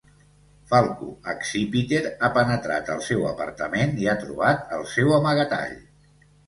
Falco Accipiter ha penetrat al seu apartament i ha trobat el seu amagatall.